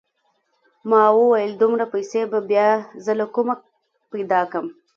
ما وويل دومره پيسې به بيا زه له کومه پيدا کم.